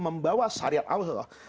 membawa syariat allah